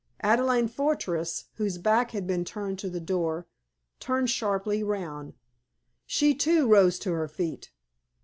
Adelaide Fortress, whose back had been turned to the door, turned sharply round. She too rose to her feet.